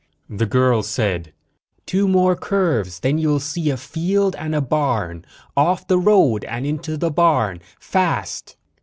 The girl said: "Two more curves. Then you'll see a field and a barn. Off the road and into the barn, fast."